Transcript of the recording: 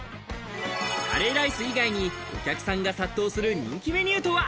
カレーライス以外にお客さんが殺到する人気メニューとは？